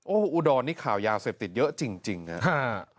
โอ้อูดอนนี่ข่ายาเสพติดเยอะจริงอ่ะ